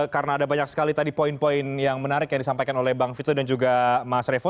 karena ada banyak sekali tadi poin poin yang menarik yang disampaikan oleh bang fitro dan juga mas revo